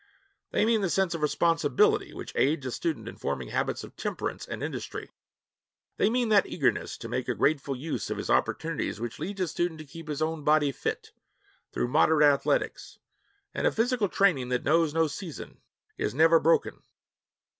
They mean the sense of responsibility which aids a student in forming habits of temperance and industry. They mean that eagerness to make a grateful use of his opportunities which leads a student to keep his own body fit, through moderate athletics, and a physical training that knows no season is never broken.